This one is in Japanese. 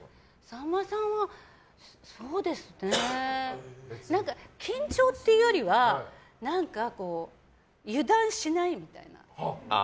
さんまさんは緊張っていうよりは油断しないみたいな。